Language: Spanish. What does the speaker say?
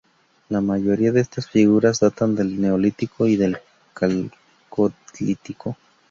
La mayoría de estas figuras datan del Neolítico y del Calcolítico.